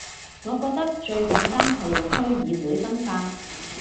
我覺得最簡單係用區議會分法